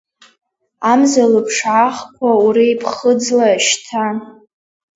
Амза лыԥшаахқәа уреиԥхыӡла шьҭа.